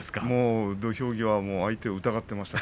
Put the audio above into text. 土俵際は相手を疑っていました。